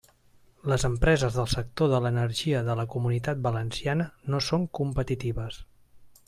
Les empreses del sector de l'energia de la Comunitat Valenciana no són competitives.